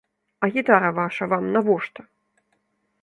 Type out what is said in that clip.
А гітара ваша вам навошта?